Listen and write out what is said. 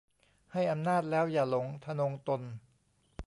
ให้อำนาจ แล้วอย่าหลง ทนงตน